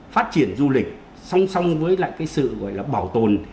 phát triển du lịch song song với lại cái sự gọi là bảo tồn